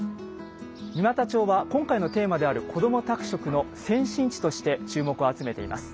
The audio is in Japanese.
三股町は今回のテーマである「こども宅食」の先進地として注目を集めています。